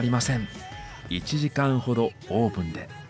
１時間ほどオーブンで。